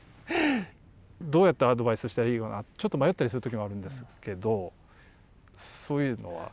どうやってアドバイスしたらいいかなちょっと迷ったりする時もあるんですけどそういうのは？